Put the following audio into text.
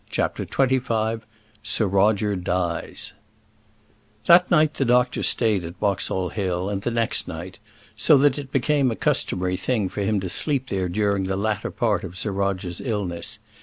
CHAPTER XXV Sir Roger Dies That night the doctor stayed at Boxall Hill, and the next night; so that it became a customary thing for him to sleep there during the latter part of Sir Roger's illness.